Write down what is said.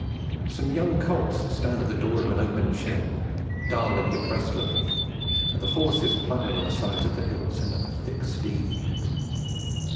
Some young colts stand at the door of an open shed, dull and depressed looking, and the horses ploughing on the sides of the hill send up a thick steam.